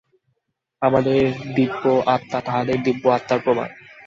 আমাদের দিব্য-আত্মা তাঁহাদের দিব্য-আত্মার প্রমাণ।